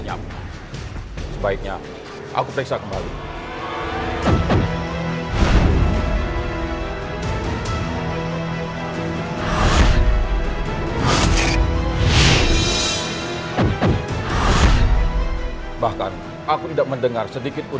aku akan mencoba menerawangku